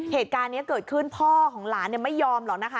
เหตุการณ์นี้เกิดขึ้นพ่อของหลานไม่ยอมหรอกนะคะ